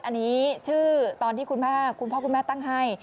อันนี้ชื่อตอนที่คุณพ่อคุณพ่อคุณแม่ตั้งให้